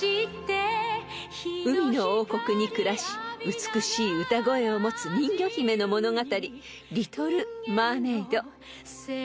［海の王国に暮らし美しい歌声を持つ人魚姫の物語］